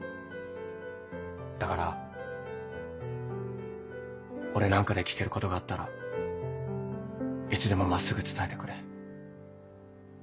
だから俺なんかで聞けることがあったらいつでも真っすぐ伝えてくれ。